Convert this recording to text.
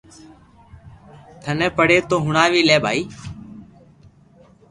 ٿني پڙي تو ھڻَاوي لي ڀائي